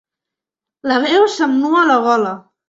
La veu se'm nua a la gola.